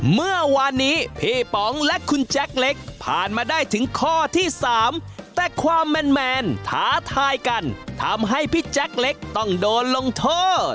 เมื่อวานนี้พี่ป๋องและคุณแจ็คเล็กผ่านมาได้ถึงข้อที่๓แต่ความแมนท้าทายกันทำให้พี่แจ็คเล็กต้องโดนลงโทษ